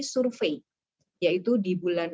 survei yaitu di bulan